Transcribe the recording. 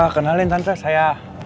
kenalin tante saya